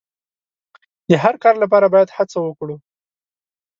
د هر کار لپاره باید هڅه وکړو.